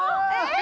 え！